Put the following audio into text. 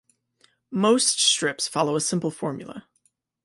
Most strips follow a simple formula.